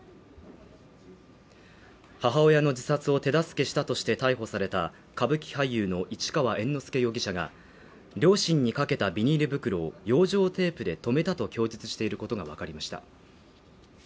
母親の自殺を手助けしたとして逮捕された歌舞伎俳優の市川猿之助容疑者が、両親にかけたビニール袋を養生テープでとめたと供述していることがわかりました。